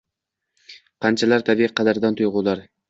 Qanchalar tabiiy, qadrdon tuyg`ular